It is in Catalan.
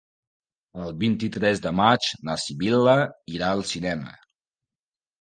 El vint-i-tres de maig na Sibil·la irà al cinema.